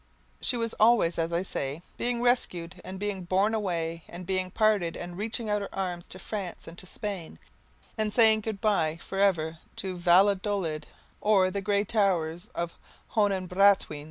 She was always, as I say, being rescued and being borne away, and being parted, and reaching out her arms to France and to Spain, and saying good bye forever to Valladolid or the old grey towers of Hohenbranntwein.